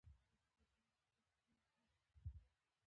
که د کارګرانو اسمي مزد لږ څه زیات شي